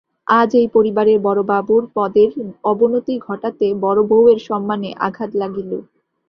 আজ এই পরিবারের বড়োবাবুর পদের অবনতি ঘটাতে বড়োবউয়ের সম্মানে আঘাত লাগিল।